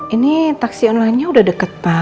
ini taksi online nya udah deket pak